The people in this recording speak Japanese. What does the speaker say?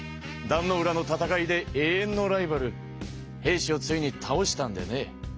壇ノ浦の戦いで永遠のライバル平氏をついにたおしたんでね。